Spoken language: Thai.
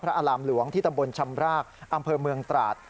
อารามหลวงที่ตำบลชำรากอำเภอเมืองตราด